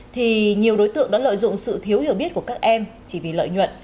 thì nhiều đối tượng đã lợi dụng sự thiếu hiểu biết của các em chỉ vì lợi nhuận